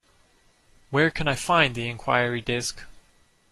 Where can I find the enquiry desk?